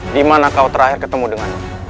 dimana kau terakhir ketemu dengannya